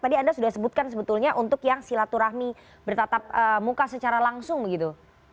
tadi anda sudah sebutkan sebetulnya untuk yang silaturahmi bertatap muka secara langsung begitu